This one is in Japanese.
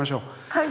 はい。